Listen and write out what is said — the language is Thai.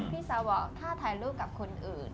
พี่สาวบอกถ้าถ่ายรูปกับคนอื่น